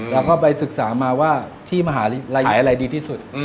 แล้วก็ไปศึกษามาว่าที่มหาลัยอะไรดีที่สุด